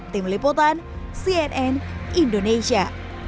tim liputan cnn indonesia